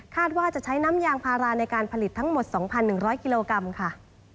ว่าจะใช้น้ำยางพาราในการผลิตทั้งหมด๒๑๐๐กิโลกรัมค่ะ